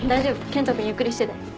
健人君ゆっくりしてて。